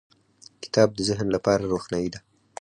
• کتاب د ذهن لپاره روښنایي ده.